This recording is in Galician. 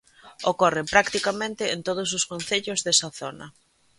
Ocorre practicamente en todos os concellos desa zona.